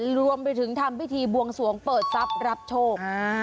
รวมไปถึงทำพิธีบวงสวงเปิดทรัพย์รับโชค